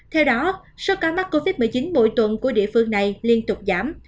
theo đó số ca mắc covid một mươi chín mỗi tuần của địa phương này liên tục giảm